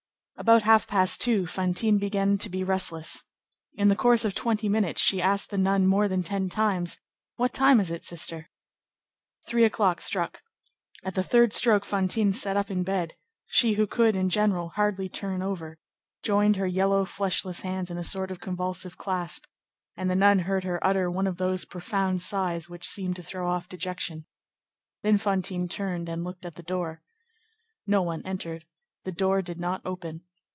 About half past two, Fantine began to be restless. In the course of twenty minutes, she asked the nun more than ten times, "What time is it, sister?" Three o'clock struck. At the third stroke, Fantine sat up in bed; she who could, in general, hardly turn over, joined her yellow, fleshless hands in a sort of convulsive clasp, and the nun heard her utter one of those profound sighs which seem to throw off dejection. Then Fantine turned and looked at the door. No one entered; the door did not open.